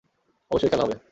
অবশ্যই, খেলা হবে!